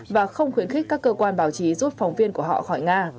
và không khuyến khích các cơ quan báo chí rút phóng viên của họ khỏi nga